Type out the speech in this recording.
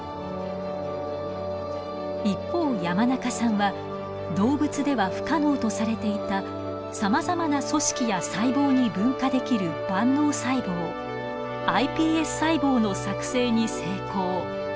一方山中さんは動物では不可能とされていたさまざまな組織や細胞に分化できる万能細胞ｉＰＳ細胞の作製に成功。